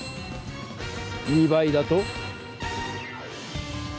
２倍だと？